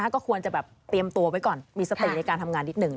ก็ควรจะแบบเตรียมตัวไว้ก่อนมีสติในการทำงานนิดหนึ่ง